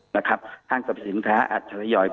ห้างสรรพสินค้าอาจจะทยอย